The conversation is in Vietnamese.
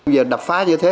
giờ đập phá như thế